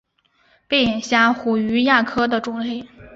背眼虾虎鱼亚科的种类。